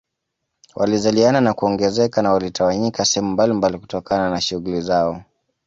Walizaliana na kuongezeka na walitawanyika sehemu mbalimbali kutokana na shughuli zao